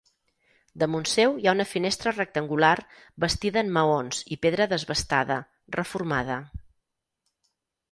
Damunt seu hi ha una finestra rectangular bastida en maons i pedra desbastada, reformada.